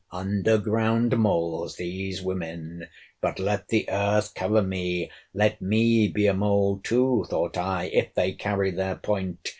—Underground moles these women—but let the earth cover me!—let me be a mole too, thought I, if they carry their point!